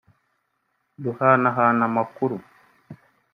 duhanahana amakuru